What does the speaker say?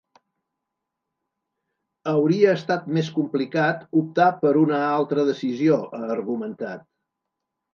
Hauria estat més complicat optar per una altra decisió, ha argumentat.